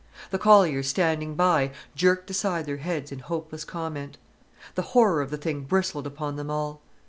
The colliers standing by jerked aside their heads in hopeless comment. The horror of the thing bristled upon them all.